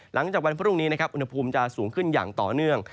หลังจากวันพรุ่งนี้นะครับอุณหภูมิจะสูงขึ้นอย่างต่อเนื่อง